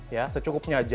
ya secukupnya aja